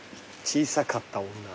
「小さかった女」